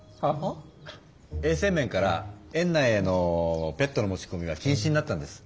衛生面から園内へのペットの持ちこみは禁止になったんです。